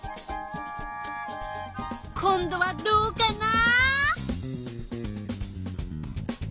今度はどうかな？